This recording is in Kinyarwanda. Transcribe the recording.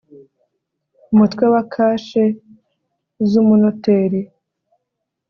UMUTWE WA KASHE Z UMUNOTERI